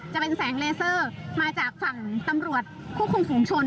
จะเป็นแสงเลเซอร์มาจากฝั่งตำรวจควบคุมฝุงชน